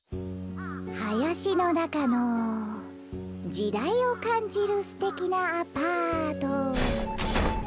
はやしのなかのじだいをかんじるすてきなアパート。